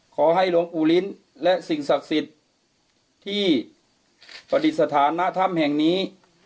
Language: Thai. ขอให้หลวงปู่ลิ้นณธรรมภาษาสิทธิ์ที่พฤติสถานณธรรมภาษาแห่งนี้